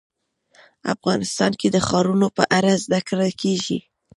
افغانستان کې د ښارونو په اړه زده کړه کېږي.